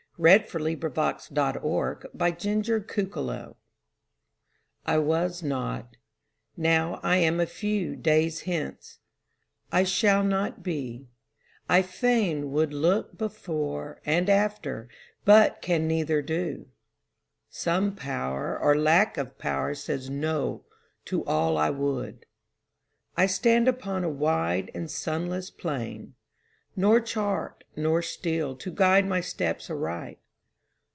K L . M N . O P . Q R . S T . U V . W X . Y Z The Mystery I WAS not; now I am a few days hence, I shall not be; I fain would look before And after, but can neither do; some Pow'r Or lack of pow'r says "no" to all I would. I stand upon a wide and sunless plain, Nor chart nor steel to guide my steps aright.